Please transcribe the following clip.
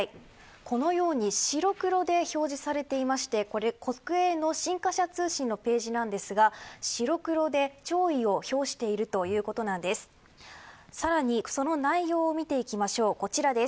このように白黒で表示されていましてこれは国営の新華社通信のページですが白黒で弔意を表しているということなんです。